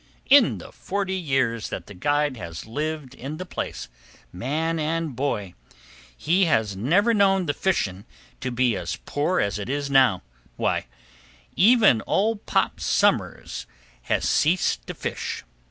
In the forty years that the guide has lived in the place, man and boy, he has never known the fishing to be as poor as it is now. Why, even "ol' Pop Somers" has ceased to fish!